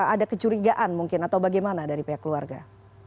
ada kecurigaan mungkin atau bagaimana dari pihak keluarga